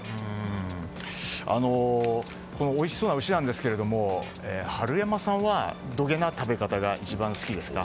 このおいしそうな牛なんですけれども春山さんは、どげんな食べ方が一番好きですか？